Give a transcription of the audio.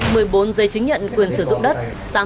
và hai phôi giấy chứng nhận quyền sử dụng đất